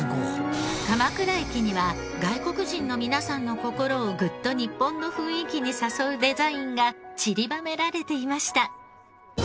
鎌倉駅には外国人の皆さんの心をグッと日本の雰囲気に誘うデザインがちりばめられていました。